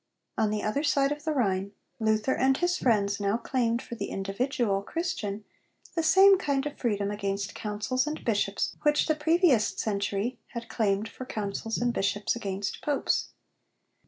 On the other side of the Rhine, Luther and his friends now claimed for the individual Christian the same kind of freedom against Councils and Bishops which the previous century had claimed for Councils and Bishops against Popes.